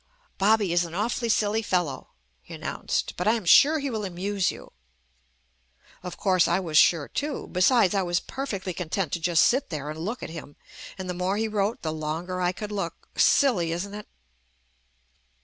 "Bobby is an awfully silly fellow," he announced, "but I am sure he will amuse you." Of course, I was sure too; besides I was perfectly content to just sit there and look at him, and the more he wrote the longer I could look — silly, isn't it?